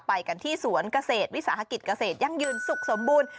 ไปกันที่สวนเกษตรวิสาหกิจเกษตรยั่งยืนสุขสมบูรณ์